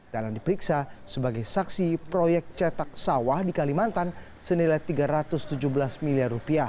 dahlan diperiksa sebagai saksi proyek cetak sawah di kalimantan senilai rp tiga ratus tujuh belas miliar